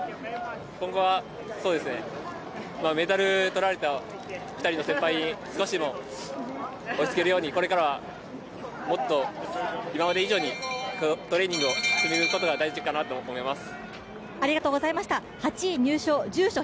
今後はメダルとられた２人の先輩に少しでも追いつけるようにこれからはもっと今まで以上にトレーニングを積むことが大事かなと思います。